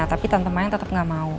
tapi tante mayang tetap gak mau